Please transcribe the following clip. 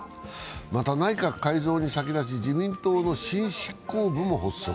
また、内閣改造に先立、自民党の新執行部も発足。